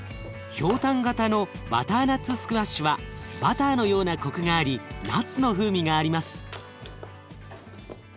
ひょうたん形のバターナッツスクワッシュはバターのようなコクがありナッツの風味があります。